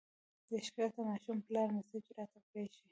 د ښکته ماشوم پلار مسېج راته پرېښی